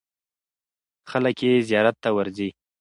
خلک یې زیارت ته ورځي.